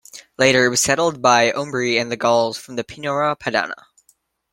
Later it was settled by the Umbri and the Gauls from the Pianura Padana.